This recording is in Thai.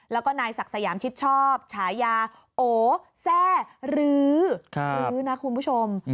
แล้วก็นายศักดิ์สยามชิดชอบฉายาโอแซ่หรือรื้อนะคุณผู้ชม